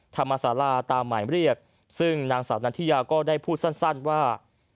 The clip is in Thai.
ธรรมศาลาตามหมายเรียกซึ่งนางสาวนันทิยาก็ได้พูดสั้นว่า